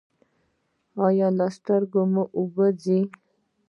ایا له سترګو مو اوبه ځي؟